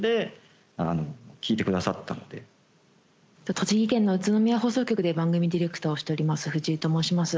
栃木県の宇都宮放送局で番組ディレクターをしております藤井と申します。